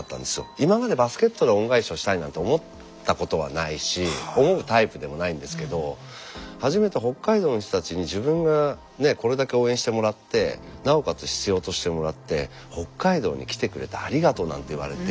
今までバスケットで恩返しをしたいなんて思ったことはないし思うタイプでもないんですけど初めて北海道の人たちに自分がこれだけ応援してもらってなおかつ必要としてもらって「北海道に来てくれてありがとう」なんて言われて。